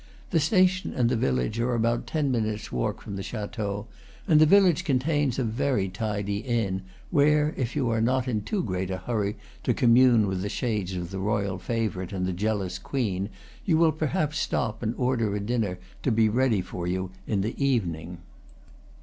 The station and the village are about ten minutes' walk from the chateau, and the village con tains a very tidy inn, where, if you are not in too great a hurry to commune with the shades of the royal favorite and the jealous queen, you will perhaps stop and order a dinner to be ready for you in the evening.